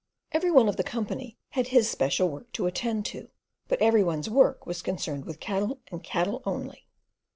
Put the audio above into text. Every one of the company had his special work to attend to; but every one's work was concerned with cattle, and cattle only.